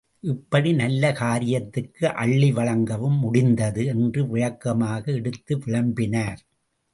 இப்படி நல்ல காரியத்துக்கு அள்ளி வழங்கவும் முடிந்தது—என்று விளக்கமாக எடுத்து விளம்பினார்.